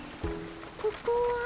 ここは。